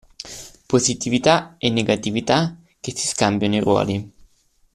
Positività e negatività che si scambiano i ruoli.